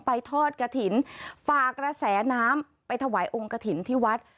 ทอดกระถิ่นฝากระแสน้ำไปถวายองค์กระถิ่นที่วัด